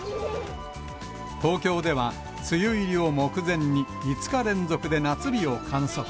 東京では梅雨入りを目前に５日連続で夏日を観測。